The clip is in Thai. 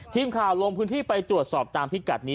ทีมข่าวลงพื้นที่ไปตรวจสอบตามพิกัดนี้